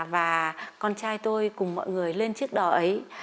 và con trai tôi cùng mọi người lên chiếc đò ấy